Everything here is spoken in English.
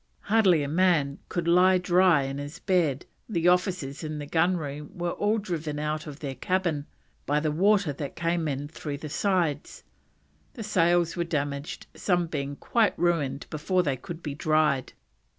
"Hardly a man that could lie dry in his bed; the officers in the gun room were all driven out of their cabin by the water that came in through the sides." The sails were damaged, some being quite ruined before they could be dried.